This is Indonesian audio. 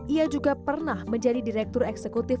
ia juga pernah menjadi direktur eksekutif